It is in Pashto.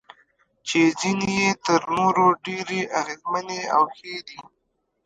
چې ځینې یې تر نورو ډېرې اغیزمنې او ښې دي.